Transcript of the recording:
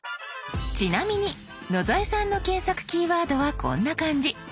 ちなみに野添さんの検索キーワードはこんな感じ。